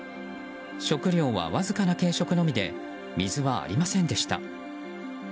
食料は、わずかな軽食のみで水はありませんでした。